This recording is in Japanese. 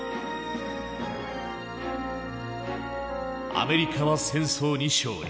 アメリカは戦争に勝利。